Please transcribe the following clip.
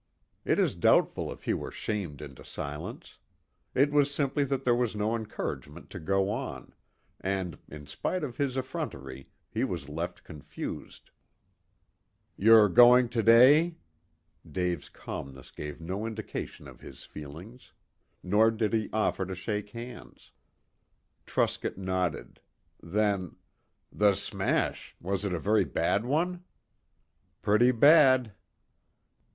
It is doubtful if he were shamed into silence. It was simply that there was no encouragement to go on, and, in spite of his effrontery, he was left confused. "You're going to day?" Dave's calmness gave no indication of his feelings. Nor did he offer to shake hands. Truscott nodded. Then "The smash was it a very bad one?" "Pretty bad."